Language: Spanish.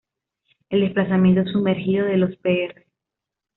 El desplazamiento sumergido de los Pr.